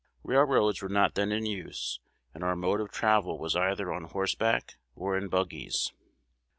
Railroads were not then in use, and our mode of travel was either on horseback or in buggies.